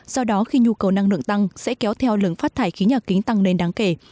do đó khi nhu cầu năng lượng tăng sẽ kéo theo lưỡng phát thải khí nhà kính tăng lên đáng kể